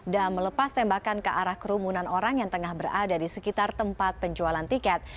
dan melepas tembakan ke arah kerumunan orang yang tengah berada di sekitar tempat penjualan tiket